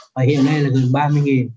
và hiện nay là gần ba mươi